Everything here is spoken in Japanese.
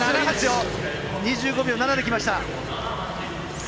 ２５秒７できました。